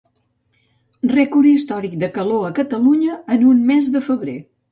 Rècord històric de calor a Catalunya en un mes de febrer.